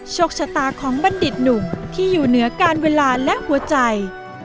โชคชะตาของบัณฑิตหนุ่มที่อยู่เหนือการเวลาและหัวใจ